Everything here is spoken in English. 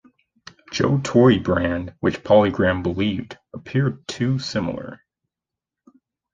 Joe toy brand, which, PolyGram believed, appeared too similar.